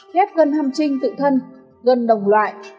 ghép gân hâm trinh tự thân gân đồng loại